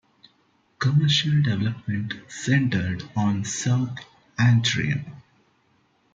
Commercial development centered on South Antrim.